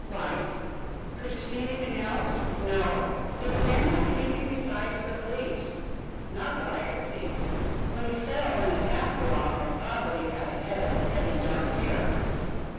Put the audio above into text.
"Light." "Could you see anything else?" "No." "Did the man have anything besides the valise?" "Not that I could see. When he fell and his hat flew off I saw that he had a head of heavy dark hair."